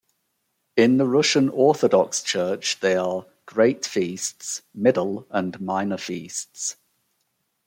In the Russian Orthodox Church they are: Great Feasts, middle, and minor feasts.